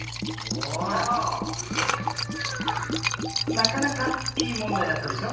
なかなかいいもんだいだったでしょ。